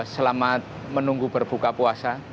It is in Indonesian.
selamat menunggu berbuka puasa